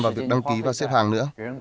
vào việc đăng ký và xếp hàng nữa